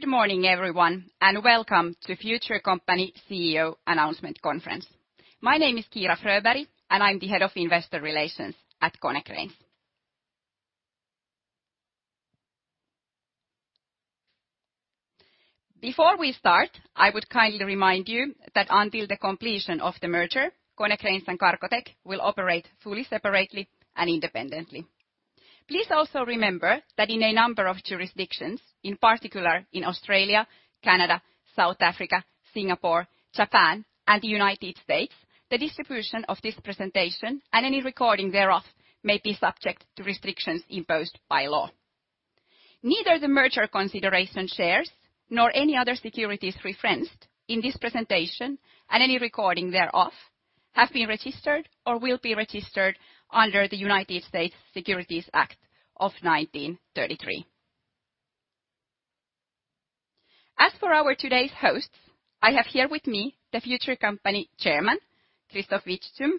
Good morning, everyone, and welcome to future company CEO announcement conference. My name is Kiira Fröberg, and I'm the Head of Investor Relations at Konecranes. Before we start, I would kindly remind you that until the completion of the merger, Konecranes and Cargotec will operate fully separately and independently. Please also remember that in a number of jurisdictions, in particular in Australia, Canada, South Africa, Singapore, Japan, and the United States, the distribution of this presentation and any recording thereof may be subject to restrictions imposed by law. Neither the merger consideration shares nor any other securities referenced in this presentation and any recording thereof have been registered or will be registered under the United States Securities Act of 1933. As for our today's hosts, I have here with me the Future Company Chairman, Christoph Vitzthum,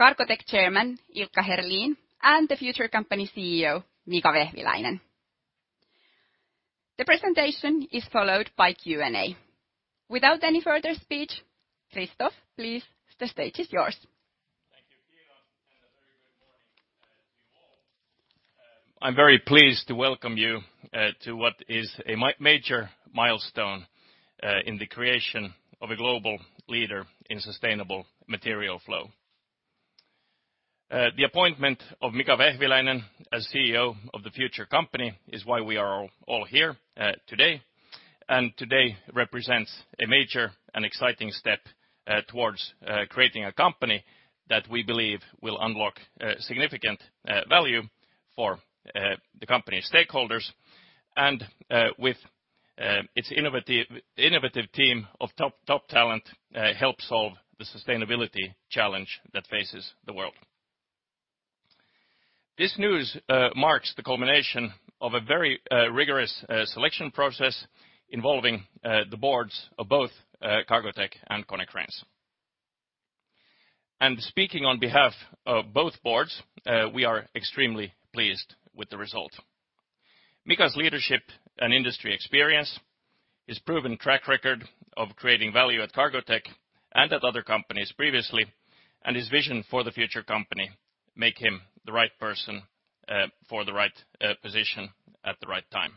Cargotec Chairman, Ilkka Herlin, and the Future Company CEO, Mika Vehviläinen. The presentation is followed by Q&A. Without any further speech, Christoph, please, the stage is yours. Thank you, Kiira, and a very good morning to you all. I'm very pleased to welcome you to what is a major milestone in the creation of a global leader in sustainable material flow. The appointment of Mika Vehviläinen as CEO of the future company is why we are all here today, and today represents a major and exciting step towards creating a company that we believe will unlock significant value for the company stakeholders and, with its innovative team of top talent, help solve the sustainability challenge that faces the world. This news marks the culmination of a very rigorous selection process involving the boards of both Cargotec and Konecranes. Speaking on behalf of both boards, we are extremely pleased with the result. Mika's leadership and industry experience, his proven track record of creating value at Cargotec and at other companies previously, and his vision for the future company make him the right person for the right position at the right time.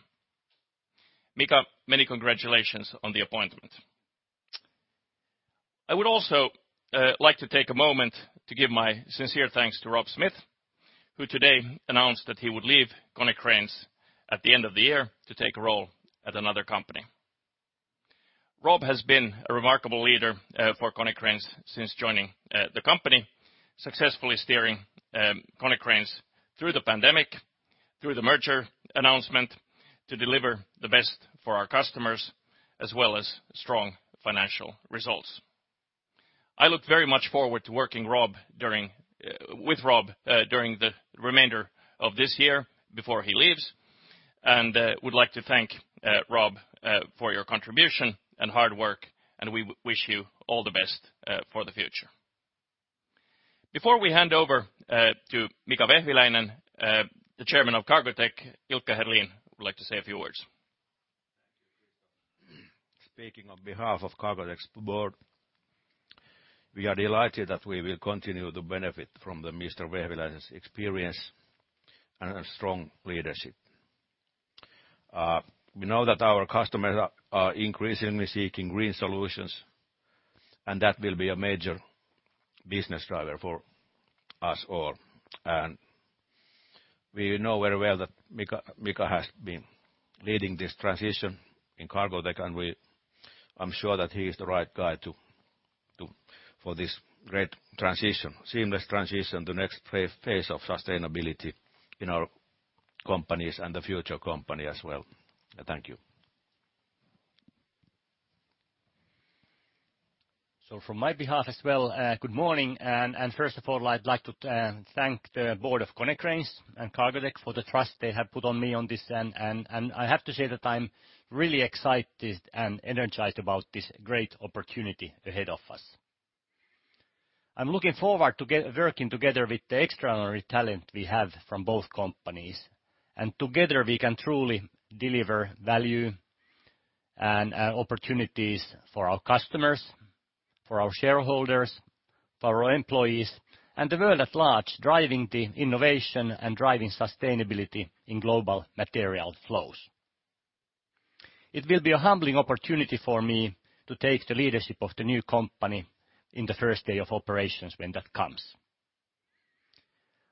Mika, many congratulations on the appointment. I would also like to take a moment to give my sincere thanks to Rob Smith, who today announced that he would leave Konecranes at the end of the year to take a role at another company. Rob has been a remarkable leader for Konecranes since joining the company, successfully steering Konecranes through the pandemic, through the merger announcement to deliver the best for our customers, as well as strong financial results. I look very much forward to working with Rob during the remainder of this year before he leaves and would like to thank Rob for your contribution and hard work. We wish you all the best for the future. Before we hand over to Mika Vehviläinen, the Chairman of Cargotec, Ilkka Herlin, would like to say a few words. Thank you, Christoph. Speaking on behalf of Cargotec's board, we are delighted that we will continue to benefit from Mr. Vehviläinen's experience and strong leadership. We know that our customers are increasingly seeking green solutions, that will be a major business driver for us all. We know very well that Mika has been leading this transition in Cargotec, and I'm sure that he is the right guy for this great transition, seamless transition to next phase of sustainability in our companies and the future company as well. Thank you. From my behalf as well, good morning. First of all, I'd like to thank the board of Konecranes and Cargotec for the trust they have put on me on this. I have to say that I'm really excited and energized about this great opportunity ahead of us. I'm looking forward to working together with the extraordinary talent we have from both companies. Together, we can truly deliver value and opportunities for our customers, for our shareholders, for our employees, and the world at large, driving the innovation and driving sustainability in global material flows. It will be a humbling opportunity for me to take the leadership of the new company in the first day of operations when that comes.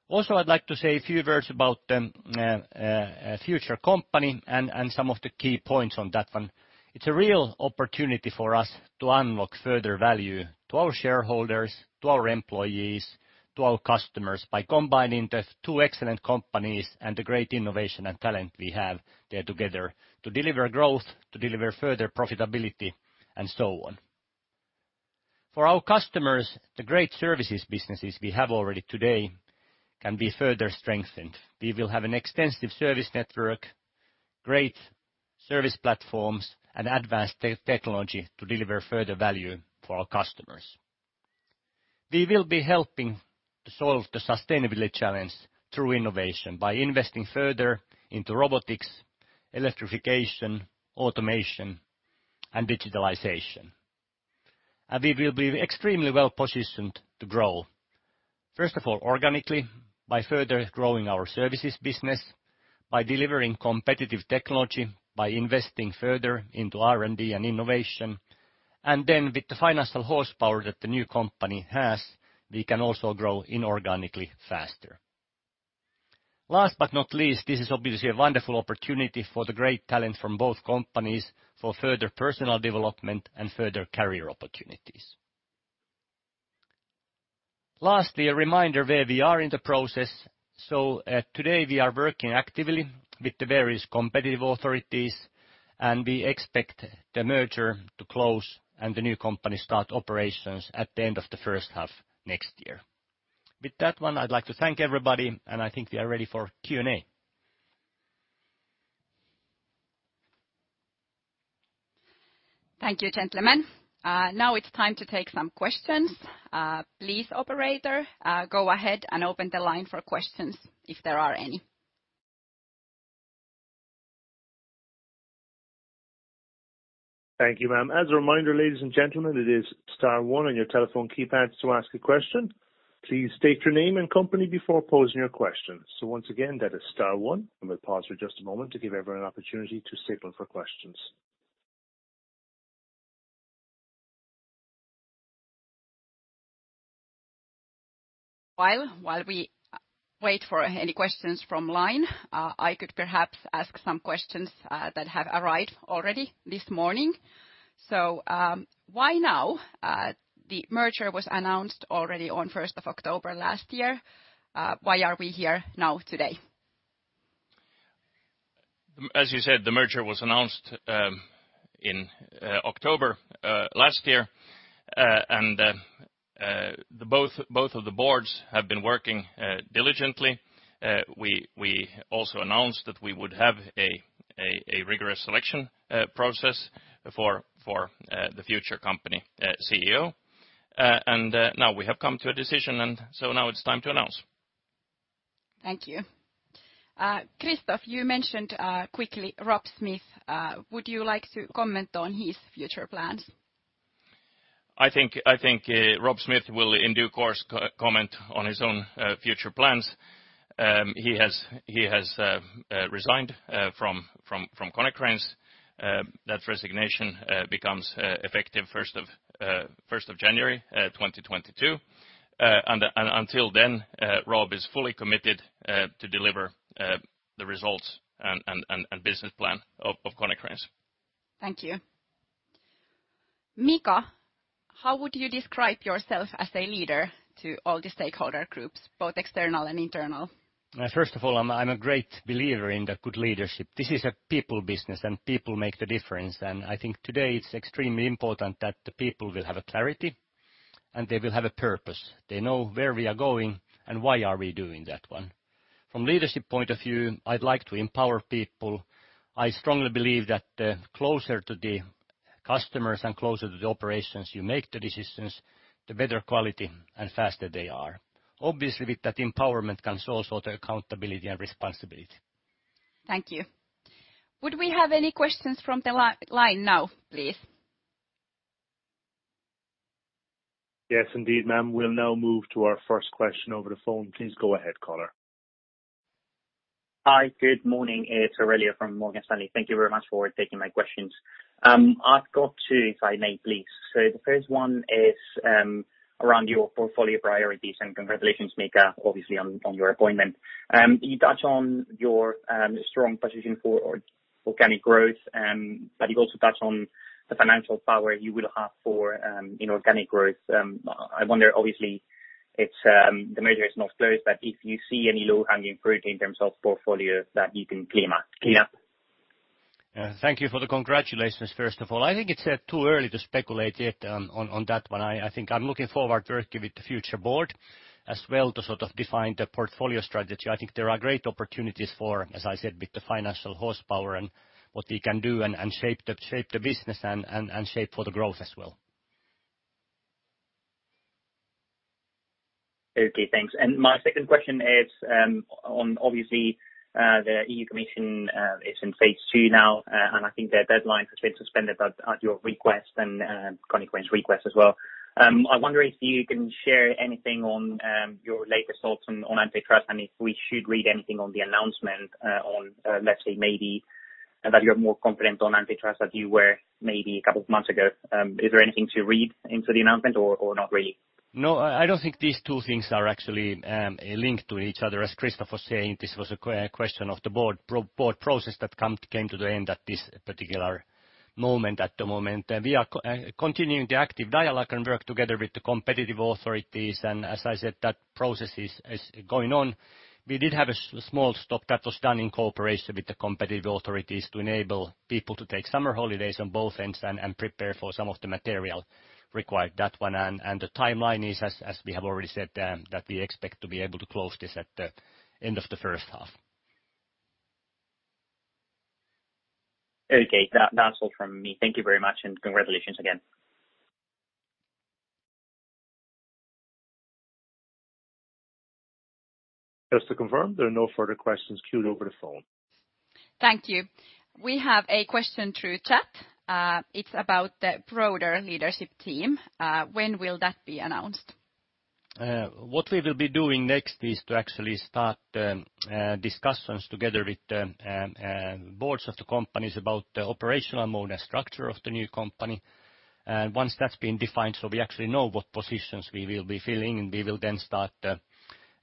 Also, I'd like to say a few words about the future company and some of the key points on that one. It's a real opportunity for us to unlock further value to our shareholders, to our employees, to our customers by combining the two excellent companies and the great innovation and talent we have there together to deliver growth, to deliver further profitability, and so on. For our customers, the great services businesses we have already today can be further strengthened. We will have an extensive service network, great service platforms, and advanced technology to deliver further value for our customers. We will be helping to solve the sustainability challenge through innovation by investing further into robotics, electrification, automation, and digitalization. We will be extremely well-positioned to grow, first of all, organically by further growing our services business, by delivering competitive technology, by investing further into R&D and innovation. With the financial horsepower that the new company has, we can also grow inorganically faster. Last but not least, this is obviously a wonderful opportunity for the great talent from both companies for further personal development and further career opportunities. Lastly, a reminder where we are in the process. Today we are working actively with the various competitive authorities, and we expect the merger to close and the new company start operations at the end of the first half next year. With that one, I'd like to thank everybody, and I think we are ready for Q&A. Thank you, gentlemen. Now it's time to take some questions. Please, operator, go ahead and open the line for questions, if there are any. Thank you, ma'am. As a reminder, ladies and gentlemen, it is star one on your telephone keypads to ask a question. Please state your name and company before posing your question. Once again, that is star one. I'm going to pause for just a moment to give everyone an opportunity to signal for questions. While we wait for any questions from line, I could perhaps ask some questions that have arrived already this morning. Why now? The merger was announced already on 1st of October last year. Why are we here now today? As you said, the merger was announced in October last year. Both of the boards have been working diligently. We also announced that we would have a rigorous selection process for the future company CEO. Now we have come to a decision, now it's time to announce. Thank you. Christoph, you mentioned quickly Rob Smith. Would you like to comment on his future plans? I think Rob Smith will, in due course, comment on his own future plans. He has resigned from Konecranes. That resignation becomes effective 1st of January 2022. Until then, Rob is fully committed to deliver the results and business plan of Konecranes. Thank you. Mika, how would you describe yourself as a leader to all the stakeholder groups, both external and internal? First of all, I'm a great believer in the good leadership. This is a people business, and people make the difference. I think today it's extremely important that the people will have a clarity, and they will have a purpose. They know where we are going and why are we doing that one. From leadership point of view, I'd like to empower people. I strongly believe that the closer to the customers and closer to the operations you make the decisions, the better quality and faster they are. Obviously, with that empowerment comes also the accountability and responsibility. Thank you. Would we have any questions from the line now, please? Yes, indeed, ma'am. We'll now move to our first question over the phone. Please go ahead, caller. Hi. Good morning. It's Aurelio from Morgan Stanley. Thank you very much for taking my questions. I've got two, if I may, please. The first one is around your portfolio priorities, and congratulations, Mika, obviously on your appointment. You touch on your strong position for organic growth, but you also touch on the financial power you will have for inorganic growth. I wonder, obviously, the merger is not closed, but if you see any low-hanging fruit in terms of portfolio that you can clean up. Thank you for the congratulations, first of all. I think it's too early to speculate yet on that one. I think I'm looking forward to working with the future board as well to sort of define the portfolio strategy. I think there are great opportunities for, as I said, with the financial horsepower and what we can do and shape the business and shape for the growth as well. Okay, thanks. My second question is on, obviously, the EU Commission is in phase II now, and I think their deadline has been suspended at your request and Konecranes' request as well. I wonder if you can share anything on your latest thoughts on antitrust, and if we should read anything on the announcement on, let's say maybe that you're more confident on antitrust than you were maybe a couple of months ago. Is there anything to read into the announcement or not really? No, I don't think these two things are actually linked to each other. As Christoph was saying, this was a question of the board process that came to the end at this particular moment. At the moment, we are continuing the active dialogue and work together with the competitive authorities. As I said, that process is going on. We did have a small stop that was done in cooperation with the competitive authorities to enable people to take summer holidays on both ends and prepare for some of the material required that one. The timeline is, as we have already said, that we expect to be able to close this at the end of the first half. Okay. That's all from me. Thank you very much, and congratulations again. Just to confirm, there are no further questions queued over the phone. Thank you. We have a question through chat. It's about the broader leadership team. When will that be announced? What we will be doing next is to actually start discussions together with the boards of the companies about the operational mode and structure of the new company. Once that's been defined so we actually know what positions we will be filling, we will then start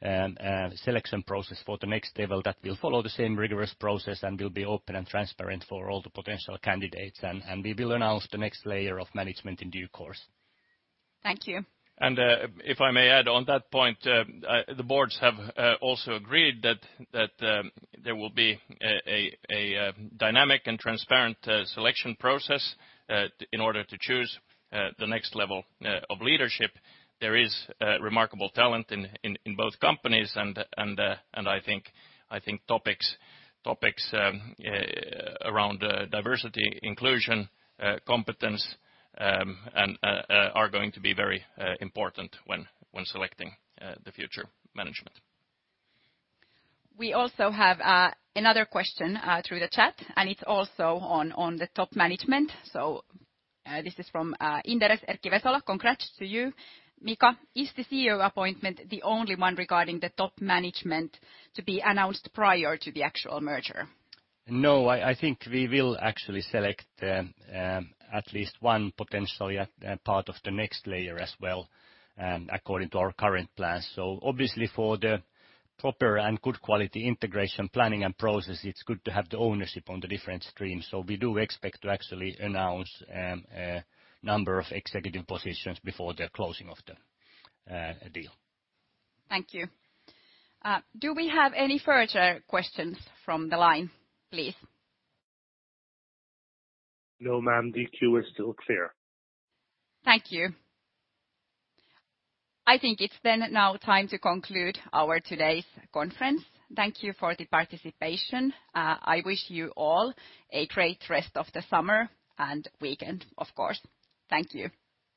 the selection process for the next level that will follow the same rigorous process and will be open and transparent for all the potential candidates. We will announce the next layer of management in due course. Thank you. If I may add on that point, the boards have also agreed that there will be a dynamic and transparent selection process in order to choose the next level of leadership. There is remarkable talent in both companies, and I think topics around diversity, inclusion, competence are going to be very important when selecting the future management. We also have another question through the chat, and it's also on the top management. This is from Inderes, Erkki Vesola. Congrats to you. Mika, is the CEO appointment the only one regarding the top management to be announced prior to the actual merger? No, I think we will actually select at least one potential part of the next layer as well according to our current plan. Obviously for the proper and good quality integration planning and process, it's good to have the ownership on the different streams. We do expect to actually announce a number of executive positions before the closing of the deal. Thank you. Do we have any further questions from the line, please? No, ma'am, the queue is still clear. Thank you. I think it's then now time to conclude our today's conference. Thank you for the participation. I wish you all a great rest of the summer and weekend, of course. Thank you.